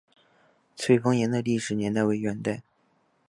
翠峰岩的历史年代为元代。